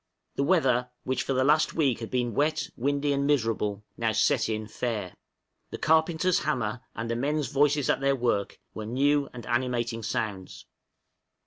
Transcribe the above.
The weather, which for the last week had been wet, windy, and miserable, now set in fair. The carpenter's hammer, and the men's voices at their work, were new and animating sounds.